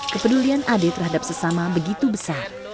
kepedulian ade terhadap sesama begitu besar